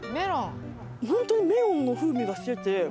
本当にメロンの風味がしてて。